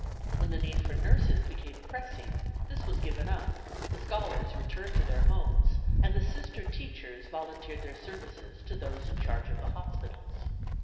When the need for nurses became pressing this was given up, the scholars returned to their homes, and the Sister teachers volunteered their services to those in charge of the hospitals.